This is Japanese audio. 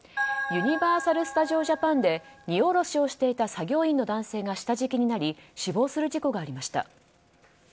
ユニバーサル・スタジオ・ジャパンで荷下ろしをしていた作業員の男性が下敷きになり死亡する事故がありました。